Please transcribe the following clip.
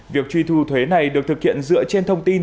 việc truy thu thuế này được thực hiện dựa trên thông tin